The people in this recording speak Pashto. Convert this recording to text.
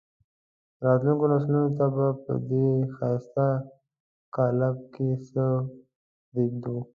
راتلونکو نسلونو ته به په دې ښایسته قالب کې څه پرېږدو.